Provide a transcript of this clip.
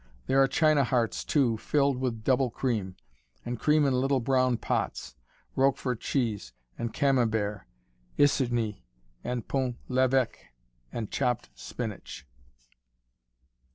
There are china hearts, too, filled with "Double Cream," and cream in little brown pots; Roquefort cheese and Camembert, Isijny, and Pont Levéque, and chopped spinach.